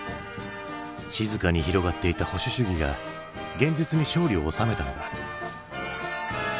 静かに広がっていた保守主義が現実に勝利を収めたのだ。